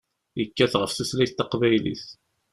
Yekkat ɣef tutlayt taqbaylit.